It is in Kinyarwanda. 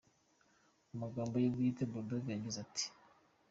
Mu magambo ye bwite, Bulldog yagize ati:.